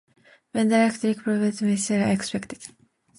When the election was held, the race proved much less close than expected.